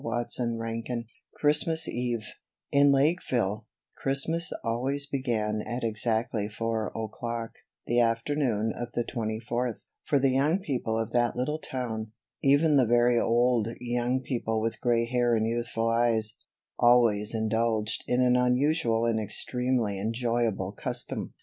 CHAPTER XXVI Christmas Eve IN Lakeville, Christmas always began at exactly four o'clock the afternoon of the twenty fourth; for the young people of that little town even the very old young people with gray hair and youthful eyes always indulged in an unusual and extremely enjoyable custom.